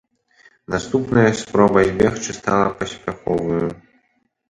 Наступная спроба збегчы стала паспяховаю.